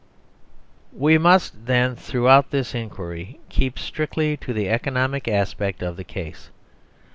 We must then, throughout this inquiry, keep strict ly to the economic aspect of the case.